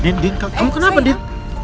din din kamu kenapa din